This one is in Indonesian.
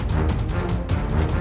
tidak ada yang lebih sakti dariku